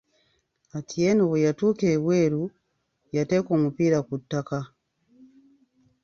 Atieno bwe yatuuka ebweru, yateeka omupiira ku ttaka.